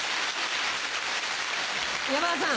山田さん